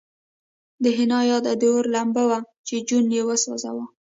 د حنا یاد د اور لمبه وه چې جون یې سوځاوه